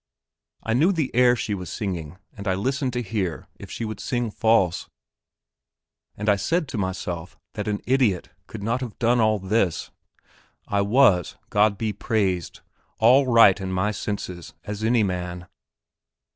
I knew the air she was singing, and I listened to hear if she would sing false, and I said to myself that an idiot could not have done all this. I was, God be praised, all right in my senses as any man.